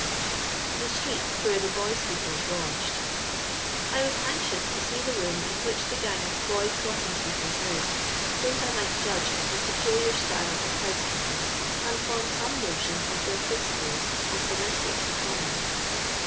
Thb Stbeet wheee the Boy Swbepebs LODGED. I WAS anxious to see the room in which the gang of boy crossing sweepers lived, so that I might judge of their peculiar style of house keeping, and form some notion of their prin ciples of domestic economy.